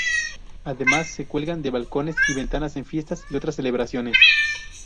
Además, se cuelgan de balcones y ventanas en fiestas y otras celebraciones.